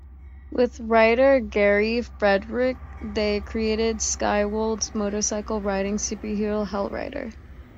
With writer Gary Friedrich, they created Skywald's motorcycle-riding superhero "Hell-Rider".